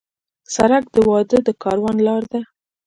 سړک د واده د کاروان لار ده.